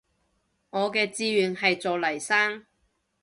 我嘅志願係做黎生